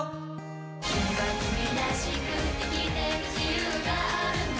「君は君らしく生きて行く自由があるんだ」